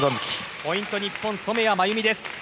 ポイント、日本染谷真有美です。